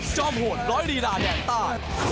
จอมโหดร้อยรีราแดนใต้